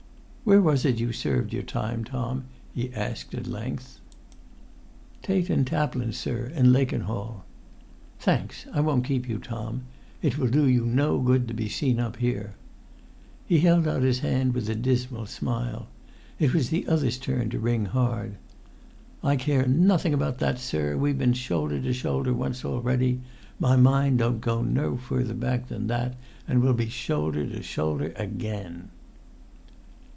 "Where was it you served your time, Tom?" he asked at length. "Tait & Taplin's, sir, in Lakenhall." "Thanks. I won't keep you, Tom. It will do you no good to be seen up here." He held out his hand with a dismal smile. It was the other's turn to wring hard. "I care nothing[Pg 103] about that, sir! We've been shoulder to shoulder once already; my mind don't go no further back than that; and we'll be shoulder to shoulder again!"